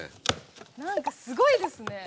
何かすごいですね